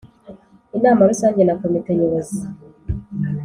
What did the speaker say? Inama rusange na komite nyobozi